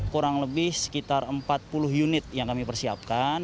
kurang lebih sekitar empat puluh unit yang kami persiapkan